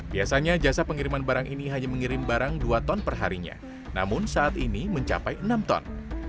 biasanya jasa pengiriman barang ini hanya mengirim barang dua ton perharinya namun saat ini mencapai enam ton